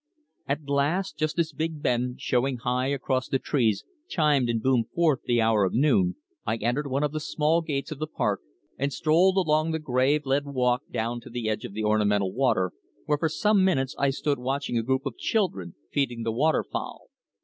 At last, just as Big Ben, showing high across the trees, chimed and boomed forth the hour of noon, I entered one of the small gates of the park and strolled along the gravelled walk down to the edge of the ornamental water, where, for some minutes, I stood watching a group of children feeding the water fowl.